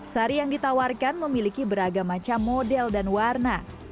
sari yang ditawarkan memiliki beragam macam model dan warna